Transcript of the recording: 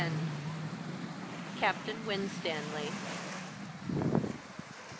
Captain Winstanley.